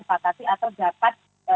disifatasi atau dapat